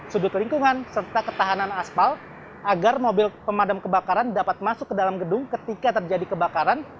sudut lingkungan serta ketahanan aspal agar mobil pemadam kebakaran dapat masuk ke dalam gedung ketika terjadi kebakaran